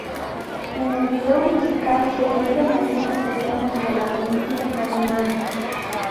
En el vídeo musical se imitan algunas escenas de la película animada.